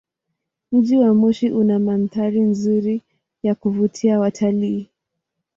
Mji wa Moshi una mandhari nzuri ya kuvutia watalii.